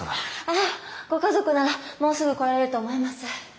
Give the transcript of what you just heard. あっご家族ならもうすぐ来られると思います。